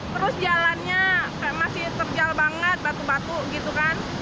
terus jalannya masih terjal banget batu batu gitu kan